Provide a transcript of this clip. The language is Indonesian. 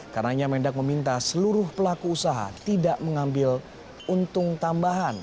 karena yang mendang meminta seluruh pelaku usaha tidak mengambil untung tambahan